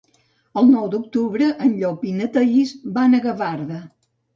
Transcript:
El nou d'octubre en Llop i na Thaís van a Gavarda.